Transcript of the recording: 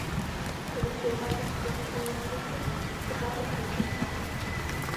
Элексей вате пӱкеныш волен шинчын, шыпак ончен шинча.